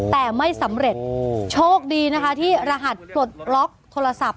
แต่ไม่สำเร็จโชคดีนะคะที่รหัสปลดล็อกโทรศัพท์